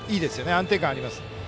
安定感あります。